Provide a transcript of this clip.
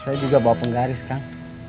saya juga bawa penggaris kang